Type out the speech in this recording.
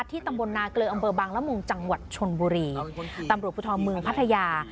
ตำบลนาเกลืออำเภอบางละมุงจังหวัดชนบุรีตำรวจภูทรเมืองพัทยา